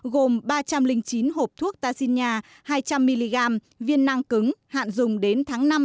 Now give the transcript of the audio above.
gồm ba trăm linh chín hộp thuốc tarsina hai trăm linh mg viên nang cứng hạn dùng đến tháng năm năm hai nghìn một mươi năm